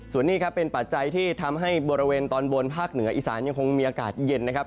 ส่วนนี้ครับเป็นปัจจัยที่ทำให้บริเวณตอนบนภาคเหนืออีสานยังคงมีอากาศเย็นนะครับ